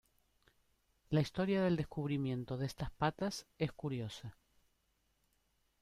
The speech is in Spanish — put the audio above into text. La historia del descubrimiento de estas patas es curiosa.